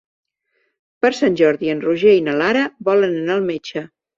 Per Sant Jordi en Roger i na Lara volen anar al metge.